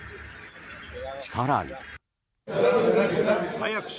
更に。